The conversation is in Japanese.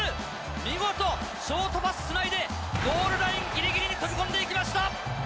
見事ショートパスを繋いで、ゴールラインギリギリに飛び込んでいきました。